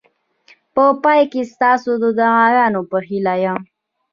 په پای کې ستاسو د دعاګانو په هیله یم.